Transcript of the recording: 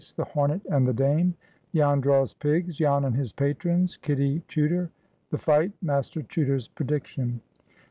—THE HORNET AND THE DAME.—JAN DRAWS PIGS.—JAN AND HIS PATRONS.—KITTY CHUTER.—THE FIGHT.—MASTER CHUTER'S PREDICTION.